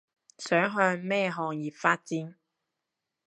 想向咩行業發展